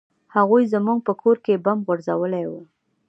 هغوى زموږ پر کور بم غورځولى و.